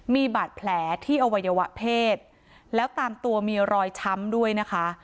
มีบาดแผลที่อวัยวะเพศแล้วตามตัวมีรอยช้ำด้วยนะคะ